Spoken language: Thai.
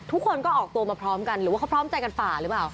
ทุกคนก็ออกตัวมาพร้อมกันหรือว่าเขาพร้อมใจกันฝ่าหรือเปล่า